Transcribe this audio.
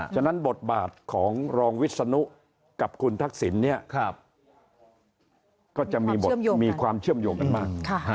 ฉะนั้นบทบาทของรองวิศนุกับคุณทักษิณเนี่ยก็จะมีบทมีความเชื่อมโยงกันมาก